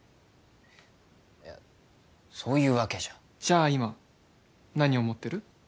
いやそういうわけじゃじゃあ今何思ってる？